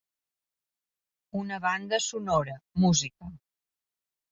Una banda sonora